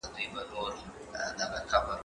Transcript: زه سينه سپين کړی دی؟!